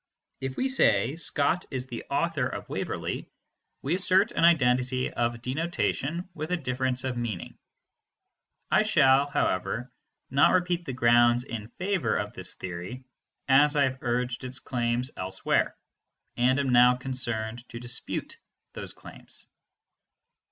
If we say "Scott is the author of Waverley," we assert an identity of denotation with a difference of meaning. I shall, however, not repeat the grounds in favor of this theory, as I have urged its claims elsewhere (loc. cit. ), and am now concerned to dispute those claims.